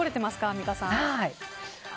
アンミカさん。